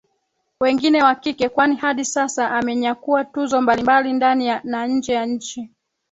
wengine wa kike kwani hadi sasa amenyakua tuzo mbalimbali ndani na nje ya nchi